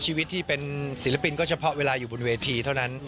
ชีวิตที่เป็นศิลปินก็เฉพาะเวลาอยู่บนเวทีเท่านั้น